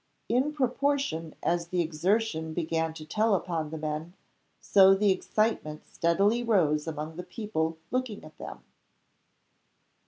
In proportion as the exertion began to tell upon the men, so the excitement steadily rose among the people looking at them.